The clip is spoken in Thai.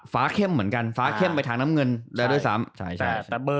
เข้มเหมือนกันฟ้าเข้มไปทางน้ำเงินแล้วด้วยซ้ำ